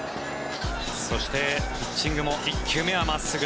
そして、ピッチングも１球目は真っすぐ。